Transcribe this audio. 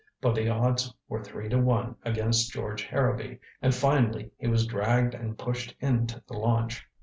But the odds were three to one against George Harrowby, and finally he was dragged and pushed into the launch.